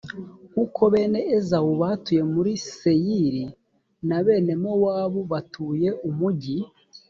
nk’uko bene ezawu batuye muri seyiri na bene mowabu batuye umugi.